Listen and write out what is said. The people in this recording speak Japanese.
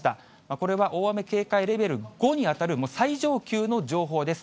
これは大雨警戒レベル５に当たる、最上級の情報です。